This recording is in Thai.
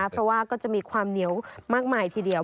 เพราะว่าก็จะมีความเหนียวมากมายทีเดียว